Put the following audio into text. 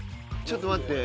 ちょっと待って。